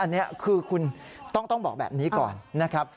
อันนี้คือคุณต้องบอกแบบนี้ก่อนนะครับ